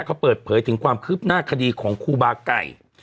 เขาเปิดเผยถึงความคืบหน้าคดีของครูบาไก่